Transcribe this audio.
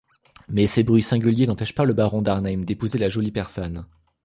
Mais ces bruits singuliers n'empêchent pas le baron d'Arnheim d'épouser la jolie Persane.